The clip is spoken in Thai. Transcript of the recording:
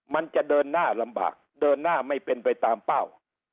มันจะเดินหน้าลำบากเดินหน้าไม่เป็นไปตามเป้า